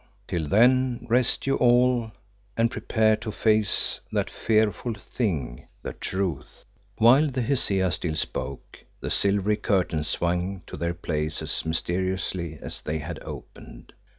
Till then rest you all, and prepare to face that fearful thing the Truth." While the Hesea still spoke the silvery curtains swung to their place as mysteriously as they had opened.